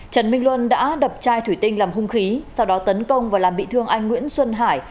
trần minh luân đã đập chai thủy tinh làm hung khí sau đó tấn công và làm bị thương anh nguyễn xuân hải